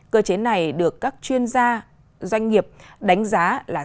cơ chế này được các chuyên gia doanh nghiệp đánh giá là